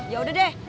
ya udah deh